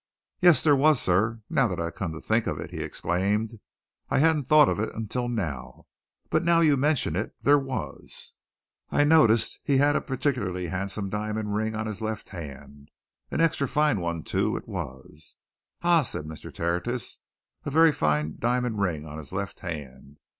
"Yes, there was, sir, now I come to think of it!" he exclaimed. "I hadn't thought of it until now, but now you mention it, there was. I noticed he'd a particularly handsome diamond ring on his left hand an extra fine one, too, it was." "Ah!" said Mr. Tertius. "A very fine diamond ring on his left hand?